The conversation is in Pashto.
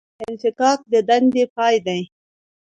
انفکاک د دندې پای دی